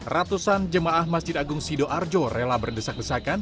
ratusan jemaah masjid agung sido arjo rela berdesak desakan